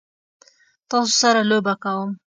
تاسو سره لوبه کوم؟